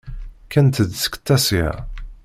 Kkant-d seg Tasya.